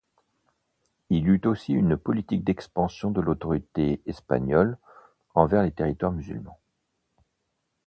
Il eut aussi une politique d'expansion de l'autorité espagnole envers les territoires musulmans.